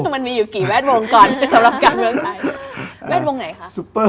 มันมีอยู่กี่แวดวงก่อนสำหรับการเลือกนายก